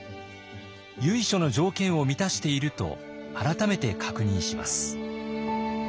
由緒の条件を満たしていると改めて確認します。